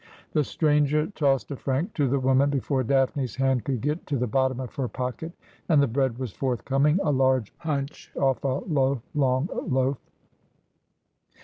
The stranger tossed a franc to the woman before Daphne's hand could get to the bottom of her pocket, and the bread was forthcoming — a large hunch off: a long lo; if.